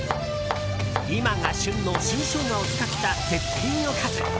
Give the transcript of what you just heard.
今が旬の新ショウガを使った絶品おかず。